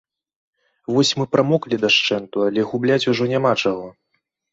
Вось мы прамоклі дашчэнту, але губляць ужо няма чаго.